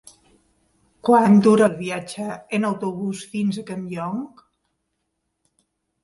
Quant dura el viatge en autobús fins a Campllong?